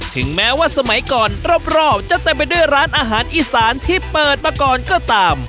ถึงแม้ว่าสมัยก่อนรอบจะเต็มไปด้วยร้านอาหารอีสานที่เปิดมาก่อนก็ตาม